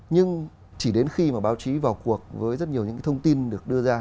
nhưng chỉ đến khi mà báo chí vào cuộc với rất nhiều những cái thông tin được đưa ra